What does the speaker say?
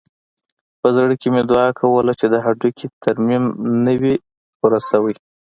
په زړه کښې مې دعا کوله چې د هډوکي ترميم نه وي پوره سوى.